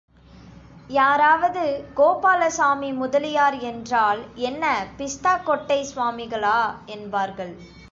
யாராவது கோபாலசாமி முதலியார் என்றால், என்ன, பிஸ்தாக்கொட்டை ஸ்வாமிகளா? என்பார்கள்.